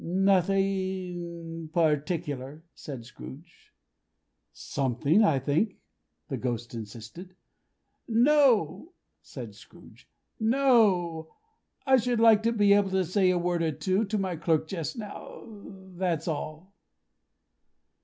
"Nothing particular," said Scrooge. "Something, I think?" the Ghost insisted. "No," said Scrooge, "No. I should like to be able to say a word or two to my clerk just now. That's all."